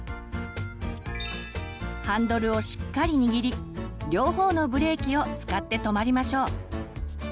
ハンドルをしっかり握り両方のブレーキを使って止まりましょう。